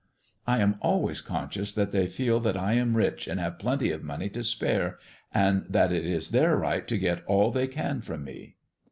I am always conscious that they feel that I am rich and have got plenty of money to spare, and that it is their right to get all that they can from me."